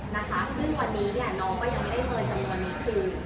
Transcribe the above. นะคะซึ่งวันนี้เนี่ยน้องก็ยังไม่ได้เงินจำนวนนี้คือ